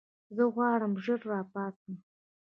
زه غواړم ژر راپاڅم.